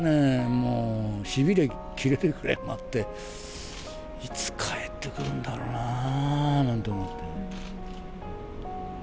もう、しびれ切れてるくらい待って、いつ帰ってくるんだろうななんて思って。